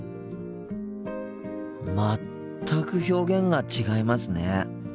全く表現が違いますね。